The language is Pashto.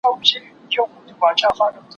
چي یې لاره کي پیدا وږی زمری سو